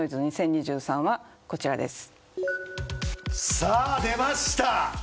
さあ出ました。